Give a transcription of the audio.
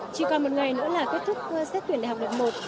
chỉ còn một ngày nữa là kết thúc xét tuyển đại học đợt một